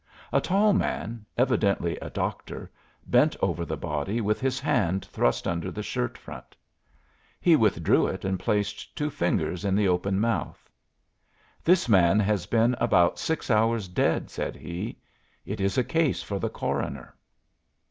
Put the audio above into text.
A tall man, evidently a doctor, bent over the body with his hand thrust under the shirt front. He withdrew it and placed two fingers in the open mouth. "This man has been about six hours dead," said he. "It is a case for the coroner."